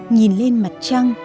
nhìn lên mặt trăng